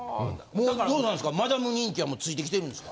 どうなんですかマダム人気はもうついてきてるんですか？